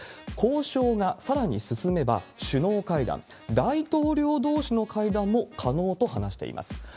交渉がさらに進めば、首脳会談、大統領どうしの会談も可能と話しています。